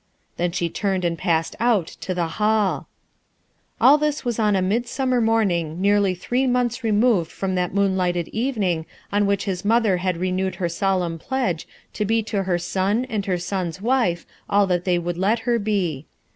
Then she turned and passed out, to the hall. All this was on a midsummer morning nearly three months removed from that moonlighted evening on which this mother had renewed her solemn pledge to be to her son and her son's wife all that they would let her be.